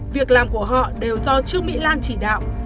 việc làm của họ đều do trương mỹ lan chỉ đạo